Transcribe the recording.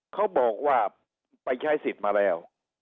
เขาบอกว่าไปใช้สิทธิ์มาแล้ว